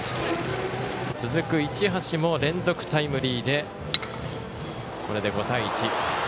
続く市橋も連続タイムリーでこれで５対１。